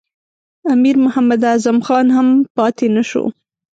امیر محمد اعظم خان هم پاته نه شو.